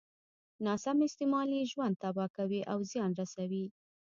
ناسم استعمال يې ژوند تباه کوي او زيان رسوي.